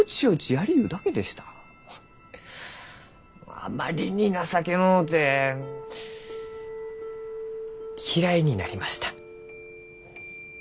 あまりに情けのうて嫌いになりました。